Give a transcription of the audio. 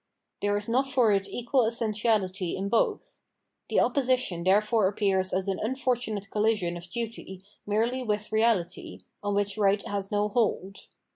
There is not for it equal essentiality in both. The opposition therefore appears as an unfortunate collision of duty merely with reality, on which right has no hold.